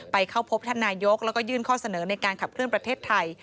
เข้าพบท่านนายกแล้วก็ยื่นข้อเสนอในการขับเคลื่อนประเทศไทย